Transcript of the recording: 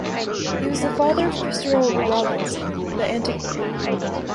He was the father of Christopher Rawlinson the antiquary.